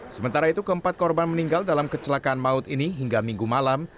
sementara itu keempat korban meninggal dalam kecelakaan maut ini hingga minggu malam